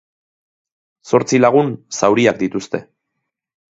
Zortzi lagun zauriak dituzte.